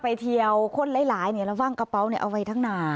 ไปเที่ยวคนหลายระวังกระเป๋าเอาไว้ทั้งหน้า